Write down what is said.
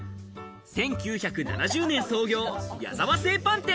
１９７０年創業、やざわ製パン店。